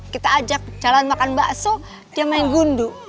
kita ajak jalan makan bakso dia main gundu